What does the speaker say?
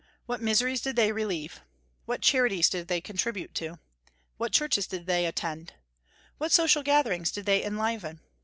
What miseries did they relieve? What charities did they contribute to? What churches did they attend? What social gatherings did they enliven?